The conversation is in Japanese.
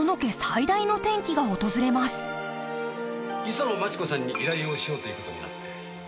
磯野マチ子さんに依頼をしようということになって。